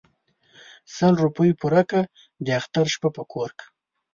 ـ سل روپۍ پوره كه داختر شپه په كور كه.